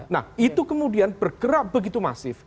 nah itu kemudian bergerak begitu masif